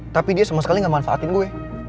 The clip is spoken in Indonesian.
tapi dia sama sekali gak manfaatin gue